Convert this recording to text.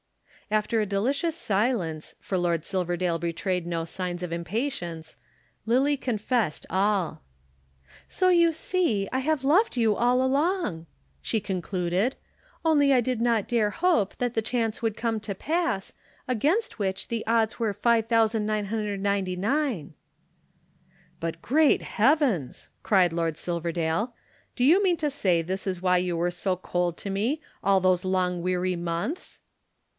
After a delicious silence, for Lord Silverdale betrayed no signs of impatience, Lillie confessed all. "So you see I have loved you all along!" she concluded. "Only I did not dare hope that the chance would come to pass, against which the odds were 5999." "But great heavens!" cried Lord Silverdale, "do you mean to say this is why you were so cold to me all those long weary months?"